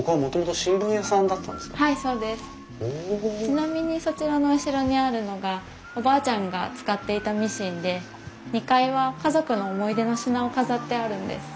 ちなみにそちらの後ろにあるのがおばあちゃんが使っていたミシンで２階は家族の思い出の品を飾ってあるんです。